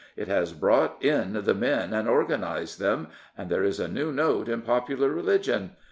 It has brought in the men and organised them. And there is a new note in popular religion.